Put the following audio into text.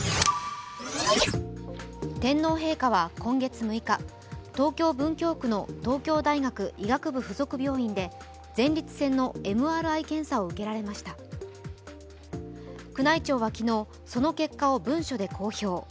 天皇陛下は、今月６日東京・文京区の東京大学医学部附属病院で前立腺のＭＲＩ検査を受けられました宮内庁は昨日、その結果を文書で公表。